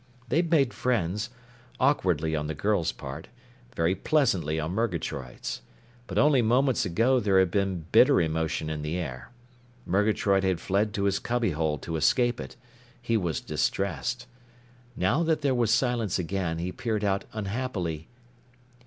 They'd made friends, awkwardly on the girl's part, very pleasantly on Murgatroyd's. But only moments ago there had been bitter emotion in the air. Murgatroyd had fled to his cubbyhole to escape it. He was distressed. Now that there was silence again, he peered out unhappily.